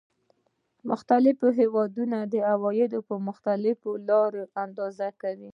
مختلف هېوادونه عواید په مختلفو لارو اندازه کوي